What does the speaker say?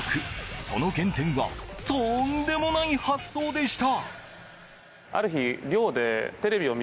その原点はとんでもない発想でした。